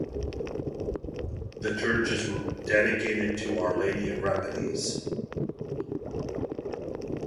The church is dedicated to Our Lady of Remedies.